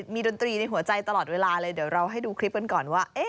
ดนตรีในหัวใจตลอดเวลาเลยเดี๋ยวเราให้ดูคลิปกันก่อนว่า